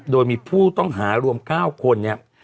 โดยมีผู้ต้องหารวม๙คนเนี่ย